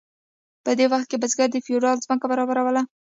په دې وخت کې بزګر د فیوډال ځمکه برابروله.